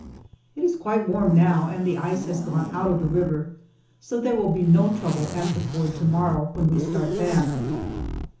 It is, quite warm now, and the ice has gone out of the river, so there will be no trouble at the ford to morrow, when we start back.